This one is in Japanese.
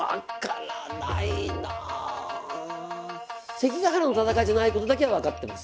関ヶ原の戦いじゃないことだけは分かってます。